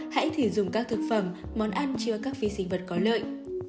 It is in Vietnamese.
sáu hãy thử dùng các thực phẩm món ăn cho các vi sinh vật có lợi